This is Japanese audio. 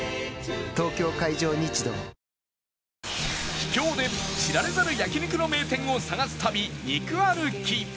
秘境で知られざる焼肉の名店を探す旅肉歩き